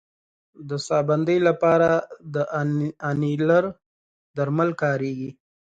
د ساه بندۍ لپاره د انیلر درمل کارېږي.